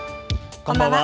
こんばんは。